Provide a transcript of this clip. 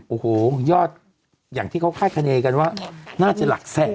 โอ้โหยอดอย่างที่เขาคาดคณีกันว่าน่าจะหลักแสน